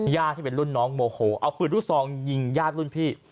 ที่เป็นรุ่นน้องโมโหเอาปืนลูกซองยิงญาติรุ่นพี่